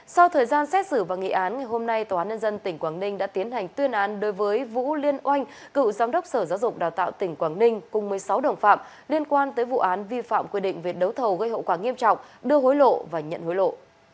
sau thời gian xét xử và nghị án ngày hôm nay tòa án nhân dân tỉnh quảng ninh đã tiến hành tuyên án đối với vũ liên oanh cựu giám đốc sở giáo dục đào tạo tỉnh quảng ninh cùng một mươi sáu đồng phạm liên quan tới vụ án vi phạm quy định về đấu thầu gây hậu quả nghiêm trọng đưa hối lộ và nhận hối lộ